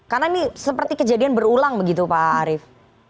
karena ini seperti kejadian berulang begitu pak arief